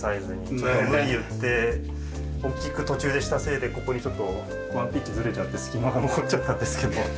ちょっと無理言って大きく途中でしたせいでここにちょっとワンピッチずれちゃって隙間が残っちゃったんですけど。